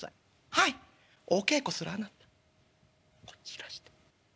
はいお稽古するあなたこっちいらして」。